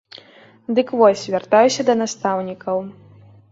Дык вось, вяртаюся да настаўнікаў.